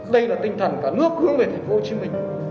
đây là tinh thần cả nước hướng về thành phố hồ chí minh